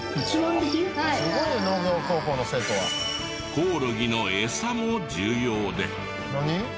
コオロギのエサも重要で。